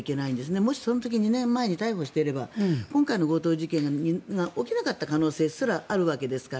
もしその時、２年前に逮捕していれば今回の強盗事件は起きなかった可能性すらあるわけですから。